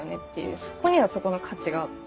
そこにはそこの価値があって。